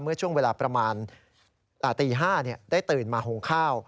เมื่อช่วงเวลาประมาณตี๕ได้ตื่นมาหุงข้าว